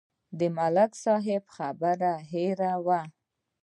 د ملک صاحب خبره هېره وه.